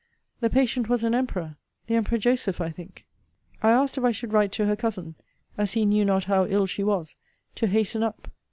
The patient was an emperor, the emperor Joseph, I think. I asked, if I should write to her cousin, as he knew not how ill she was, to hasten up?